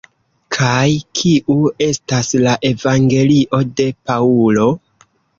Kaj kiu estas la evangelio de Paŭlo?